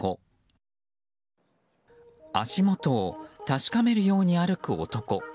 足元を確かめるように歩く男。